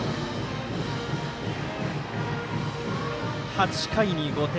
８回に５点。